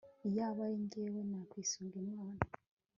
iyaba ari jyewe, nakwisunga imana